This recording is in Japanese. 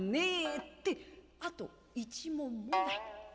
ってあと一文もない。